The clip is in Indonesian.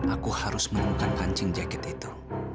aku harus menemukan kancing jakit itu